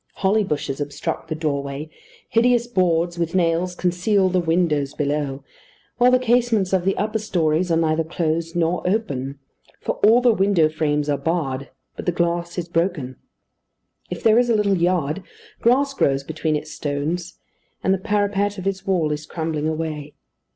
Holly bushes obstruct the doorway, hideous boards, with nails, conceal the windows below; while the casements of the upper stories are neither closed nor open: for all the window frames are barred, but the glass is broken. If there is a little yard, grass grows between its stones; and the parapet of its wall is crumbling away.